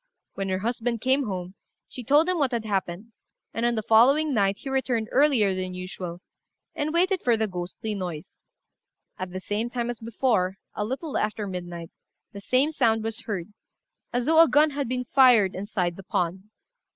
When her husband came home, she told him what had happened; and on the following night he returned earlier than usual, and waited for the ghostly noise. At the same time as before, a little after midnight, the same sound was heard as though a gun had been fired inside the pond.